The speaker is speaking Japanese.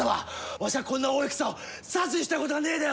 わしゃこんな大戦を指図したことがねえでよ！